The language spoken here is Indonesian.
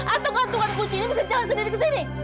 atau gantungan kuci ini bisa jalan sendiri ke sini